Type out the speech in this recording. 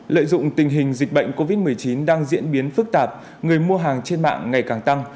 lợi dụng tình hình dịch bệnh covid một mươi chín đang diễn biến phức tạp người mua hàng trên mạng ngày càng tăng